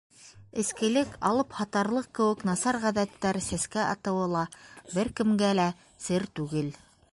Эскелек, алып-һатарлыҡ кеүек насар ғәҙәттәр сәскә атыуы ла бер кемгә лә сер түгел.